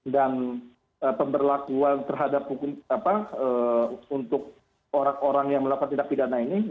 dan pemberlakuan terhadap hukum untuk orang orang yang melakukan tindak pidana ini